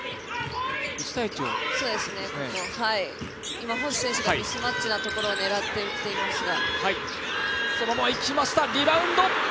今、星選手がミスマッチのところを狙って打っていますが。